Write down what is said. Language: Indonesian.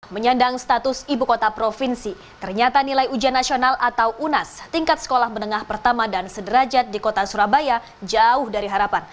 menyandang status ibu kota provinsi ternyata nilai ujian nasional atau unas tingkat sekolah menengah pertama dan sederajat di kota surabaya jauh dari harapan